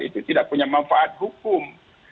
itu tidak punya manfaat hukum